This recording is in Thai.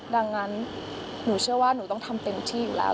ดังนั้นหนูเชื่อว่าหนูต้องทำเต็มที่อยู่แล้ว